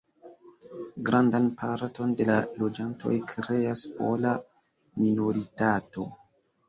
Grandan parton de la loĝantoj kreas pola minoritato.